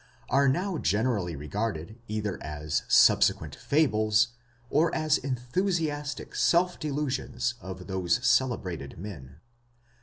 are now generally regarded either as subsequent fables, or as enthusiastic self delusions of those celebrated men.